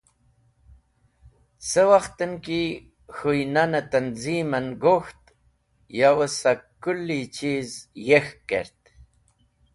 Ce wakht ki k̃hũynan tanzimen gok̃ht, yow-e sak kũli chiz yek̃hk kert.